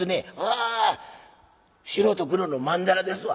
あ白と黒のまんだらですわ。